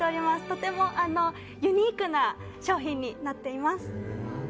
とてもユニークな商品になっています。